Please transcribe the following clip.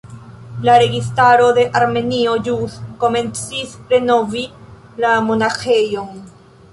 La registaro de Armenio ĵus komencis renovigi la monaĥejon.